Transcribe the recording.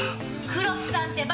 黒木さんってば！